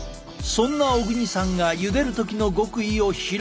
そんな小國さんがゆでる時の極意を披露。